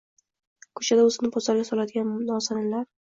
Ko‘chada o‘zini bozorga soladigan nozaninlar